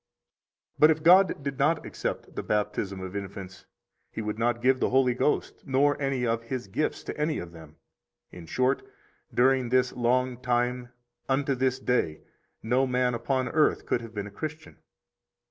50 But if God did not accept the baptism of infants, He would not give the Holy Ghost nor any of His gifts to any of them; in short, during this long time unto this day no man upon earth could have been a Christian.